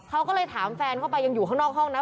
เขาก็เลยถามแฟนเข้าไปยังอยู่ข้างนอกห้องนะ